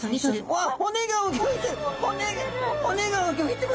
わっ骨がうギョいてる！